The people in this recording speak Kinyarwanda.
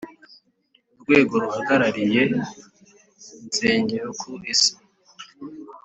Urwego ruhagarariye insengero ku isi